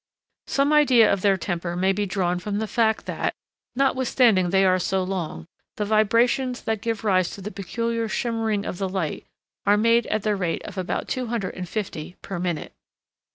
Some idea of their temper may be drawn from the fact that, notwithstanding they are so long, the vibrations that give rise to the peculiar shimmering of the light are made at the rate of about two hundred and fifty per minute.